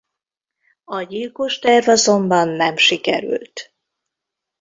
A gyilkos terv azonban nem sikerült.